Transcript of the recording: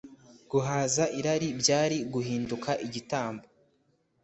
Guhaza irari byari guhinduka igitambo